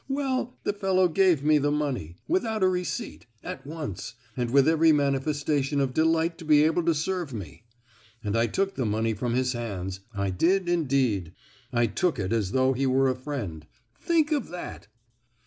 Well, the fellow gave me the money, without a receipt, at once, and with every manifestation of delight to be able to serve me! And I took the money from his hands,—I did, indeed! I took it as though he were a friend. Think of that!"